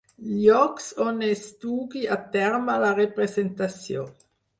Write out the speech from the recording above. Llocs on es dugui a terme la representació.